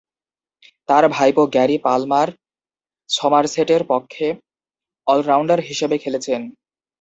তার ভাইপো Gary Palmer সমারসেটের পক্ষে অল-রাউন্ডার হিসেবে খেলেছেন।